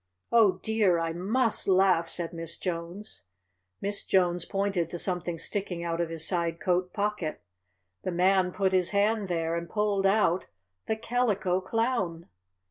"Oh, dear! I MUST laugh!" said Miss Jones. Miss Jones pointed to something sticking out of his side coat pocket. The Man put his hand there and pulled out the Calico Clown!